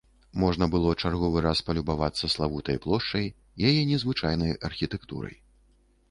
Можна было чарговы раз палюбавацца славутай плошчай, яе незвычайнай архітэктурай.